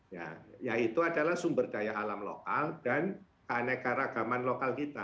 ya yaitu adalah sumber daya alam lokal dan keanekaragaman lokal kita